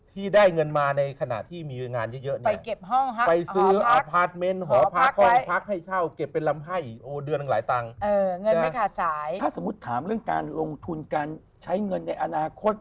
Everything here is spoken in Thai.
ถ้าสมมุติถามเรื่องการลงทุนการใช้เงินในอนาคต